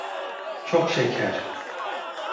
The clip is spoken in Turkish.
Çok şeker.